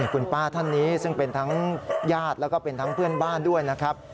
คุณป้าท่านนี้ซึ่งเป็นทั้งญาติแล้วก็เป็นทั้งเพื่อนบ้านด้วยนะครับ